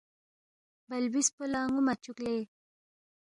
بلبیس پو لا نو مہ چوک لے